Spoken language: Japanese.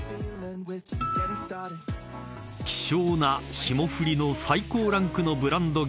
［希少な霜降りの最高ランクのブランド牛